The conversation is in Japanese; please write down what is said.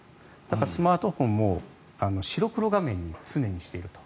スマートフォンも白黒画面に常にしていると。